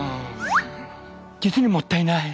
実にもったいない。